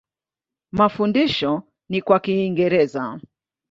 Mafundisho ni kwa Kiingereza.